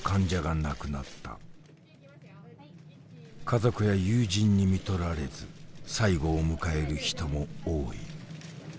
家族や友人にみとられず最期を迎える人も多い。